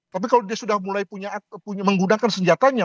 tapi kalau dia sudah mulai menggunakan senjatanya